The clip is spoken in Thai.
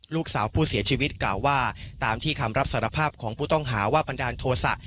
ลูกสาวผู้เสียชีวิตกล่าวว่าตามที่คำรับสารภาพของผู้ต้องหาว่าบันดาลโทษะ